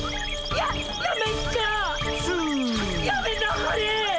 やめなはれ！